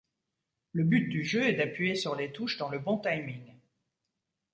Le but du jeu est d'appuyer sur les touches dans le bon timing.